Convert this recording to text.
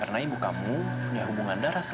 sebaiknya aku pergi aja